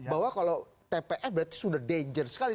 bahwa kalau tpf berarti sudah danger sekali